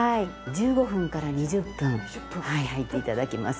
１５分から２０分入って頂きます。